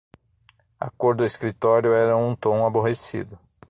A cor do escritório era um tom aborrecido.